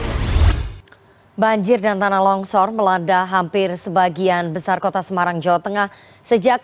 hai banjir dan tanah longsor melanda hampir sebagian besar kota semarang jawa tengah sejak